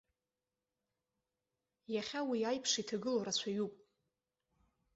Иахьа уи аиԥш иҭагылоу рацәаҩуп.